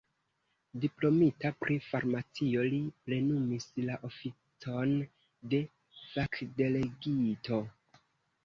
Diplomita pri farmacio, li plenumis la oficon de fakdelegito.